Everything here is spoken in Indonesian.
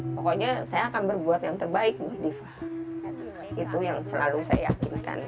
pokoknya saya akan berbuat yang terbaik buat diva itu yang selalu saya yakinkan